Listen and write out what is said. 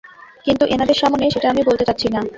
কিন্তু এনাদের সামনে সেটা আমি বলতে চাচ্ছি না।